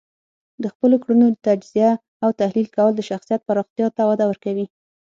د خپلو کړنو تجزیه او تحلیل کول د شخصیت پراختیا ته وده ورکوي.